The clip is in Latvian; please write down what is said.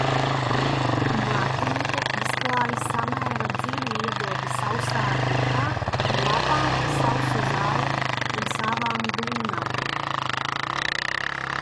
Mātīte izklāj samērā dziļu iedobi sausā vietā ar lapām, sausu zāli un savām dūnām.